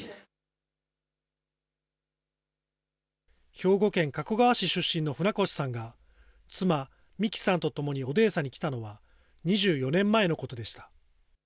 兵庫県加古川市出身の船越さんが、妻、美貴さんと共にオデーサに来たのは２４年前のことでした。